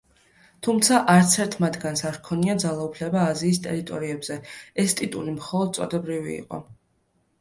თუმცა არცერთ მათგანს არ ჰქონია ძალაუფლება აზიის ტერიტორიებზე, ეს ტიტული მხოლოდ წოდებრივი იყო.